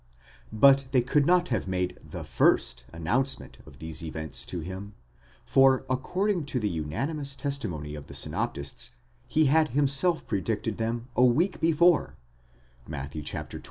But they could not have made the first announcement of these events to him, for, according to the unanimous testimony of the synop tists, he had himself predicted them a week before (Matt.